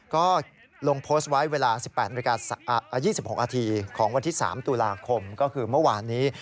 ก็ลงโพสต์ไว้เวลา๑๘๒๖นาทีของวันที่๓ตุลาคมก็คือเมื่อวานนี้